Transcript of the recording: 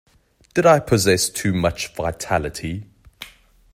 Did I possess too much vitality.